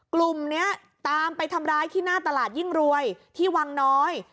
กลุ่มนี้ตามไปทำร้ายที่หน้าตลาดยิ่งรวยที่วังน้อย